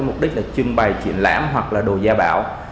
mục đích là trưng bày triển lãm hoặc là đồ gia bảo